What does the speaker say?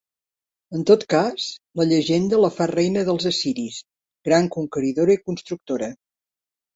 En tot cas, la llegenda la fa reina dels assiris, gran conqueridora i constructora.